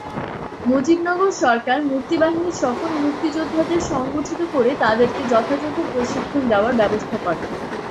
মুজিবনগর সরকার মুক্তিবাহিনীর সকল মুক্তিযোদ্ধাদের সংগঠিত করে তাদেরকে যথাযথ প্রশিক্ষণ দেওয়ার ব্যবস্থা করে।